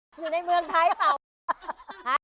อยู่ในเมืองไทยเปล่า